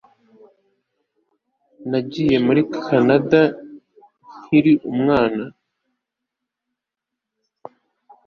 Nagiye muri Kanada nkiri umwana